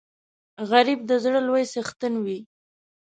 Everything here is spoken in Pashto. غریب د زړه لوی څښتن وي